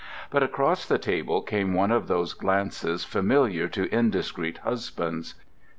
But across the table came one of those glances familiar to indiscreet husbands.